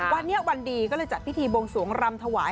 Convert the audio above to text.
วันนี้วันดีก็เลยจัดพิธีบวงสวงรำถวาย